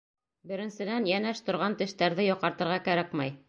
Беренсенән, йәнәш торған тештәрҙе йоҡартырға кәрәкмәй.